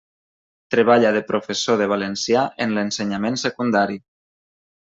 Treballa de professor de valencià en l'ensenyament secundari.